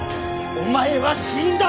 お前は死んだ！